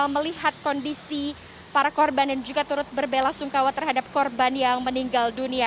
melihat kondisi para korban dan juga turut berbela sungkawa terhadap korban yang meninggal dunia